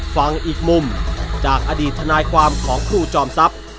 ฟังอีกมุมจากอดีตทนายความของครูจอมทรัพย์